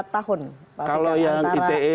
tahun kalau yang ite